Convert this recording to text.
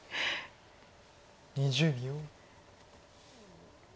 ２０秒。